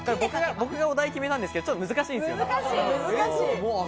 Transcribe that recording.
僕が、お題を決めたんですけれどちょっと難しいんですよ。